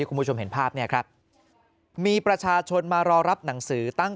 คุณผู้ชมเห็นภาพเนี่ยครับมีประชาชนมารอรับหนังสือตั้ง